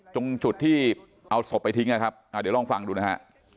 ตรงจุดที่เอาศพไปทิ้งนะครับเดี๋ยวลองฟังดูนะฮะ